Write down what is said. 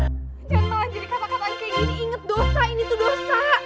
jangan tolong jadi kata kata kayak gini